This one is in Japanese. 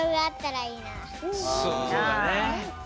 そうだね。